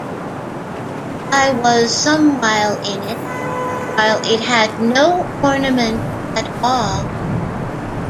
I was some while in it, while it had no ornament at all...